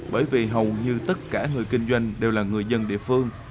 bởi vì hầu như tất cả người kinh doanh đều là người dân địa phương